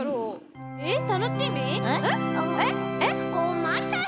おまたせ。